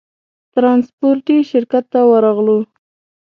ترانسپورټي شرکت ته ورغلو.